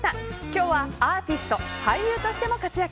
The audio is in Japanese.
今日は、アーティスト俳優としても活躍。